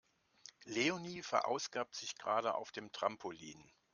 Leonie verausgabt sich gerade auf dem Trampolin.